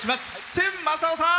千昌夫さん。